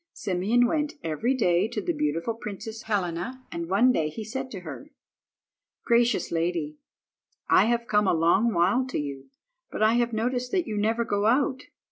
Simeon went every day to the beautiful Princess Helena, and one day he said to her— "Gracious lady, I have come a long while to you, but I have noticed that you never go out.